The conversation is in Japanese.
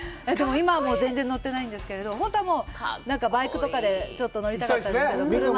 今は全然乗ってないんですけど、本当はなんかバイクとかで乗りたかったんですけど、車。